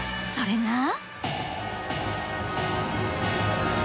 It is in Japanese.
それが。